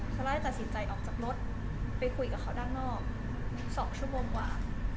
ซาร่ายตัดสินใจออกจากรถไปคุยกับเขาด้านนอก๒ชั่วโมงกว่า